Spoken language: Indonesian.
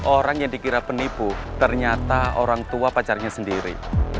orang yang dikira penipu ternyata orang tua pacarnya sendiri